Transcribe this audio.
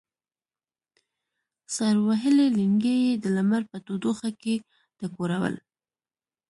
سړو وهلي لېنګي یې د لمر په تودوخه کې ټکورول.